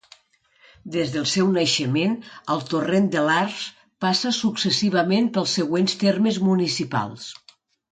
Des del seu naixement, el Torrent de l'Arç passa successivament pels següents termes municipals.